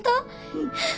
うん。